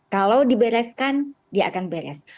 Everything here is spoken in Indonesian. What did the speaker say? kalau dibereskan dia akan beres